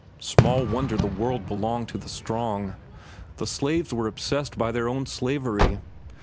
Small wonder the world belonged to the strong. The slaves were obsessed by their own slavery.